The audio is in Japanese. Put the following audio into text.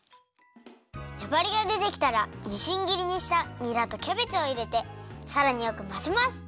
ねばりがでてきたらみじんぎりにしたにらとキャベツをいれてさらによくまぜます。